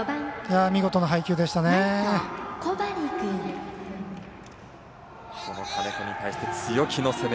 見事な配球でしたね。